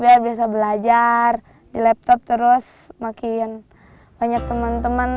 biar bisa belajar di laptop terus makin banyak teman teman